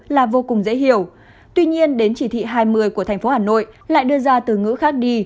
là vô cùng dễ hiểu tuy nhiên đến chỉ thị hai mươi của thành phố hà nội lại đưa ra từ ngữ khác đi